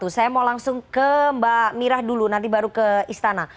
saya mau langsung ke mbak mira dulu nanti baru ke istana